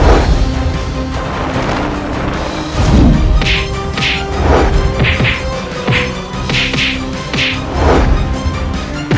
jangan bahkan heirah